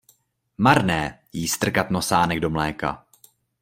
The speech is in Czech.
Marné jí strkat nosánek do mléka.